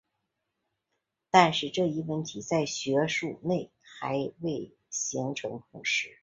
但是这一问题在学界内还未形成共识。